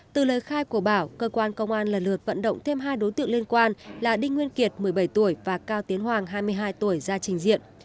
từ lời khai của bảo cơ quan công an lần lượt vận động thêm hai đối tượng liên quan là đinh nguyên kiệt một mươi bảy tuổi và cao tiến hoàng hai mươi hai tuổi ra trình diện